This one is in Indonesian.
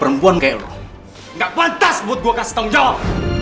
perempuan kayak lo gak pantas buat gue kasih tanggung jawab